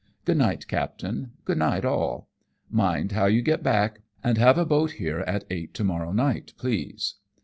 Good night, captain, good night, all ; mind how you get back, and have a boat here at eight to morrow night, please."